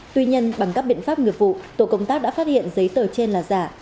tuy nhiên bằng các biện pháp nghiệp vụ tổ công tác đã phát hiện giấy tờ trên là giả